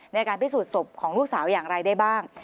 ในการพิสูจนศพของลูกสาวอย่างไรได้บ้าง